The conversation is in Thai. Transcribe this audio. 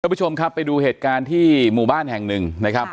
ผู้ชมครับไปดูเหตุการณ์ที่หมู่บ้านแห่งหนึ่งนะครับ